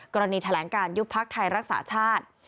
กรณีแถลงการยุบพักไทยรักษาชาติ